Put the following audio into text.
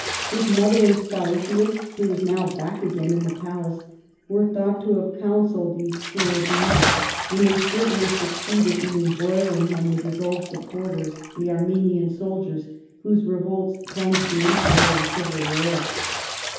His mother and Stauracius (who was now back again in the palace) were thought to have counselled these cruel deeds; and they certainly succeeded in embroiling him with his old supporters, 236 CHARLEMAGNE. the Armenian soldiers, whose revolts plunged the empire in civil war.